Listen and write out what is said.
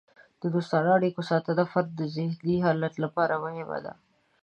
د دوستانه اړیکو ساتنه د فرد د ذهني حالت لپاره مهمه ده.